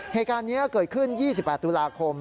เหตุการณ์นี้เกิดขึ้น๒๘ตุลาคม